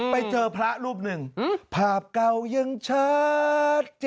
ไปเจอพระรูปหนึ่งภาพเก่ายังเชิด